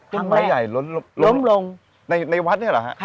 ฮันแรกล้มลงในวัดนี่หรือคะ